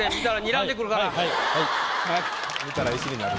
見たら石になる。